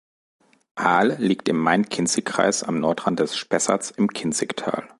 Ahl liegt im Main-Kinzig-Kreis am Nordrand des Spessarts im Kinzigtal.